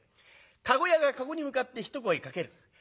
駕籠屋が駕籠に向かって一声かける。